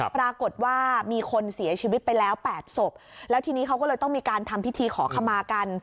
ปรากฏว่ามีคนเสียชีวิตไปแล้ว๘ศพแล้วทีนี้เขาก็เลยต้องมีการทำพิธีขอขมากัน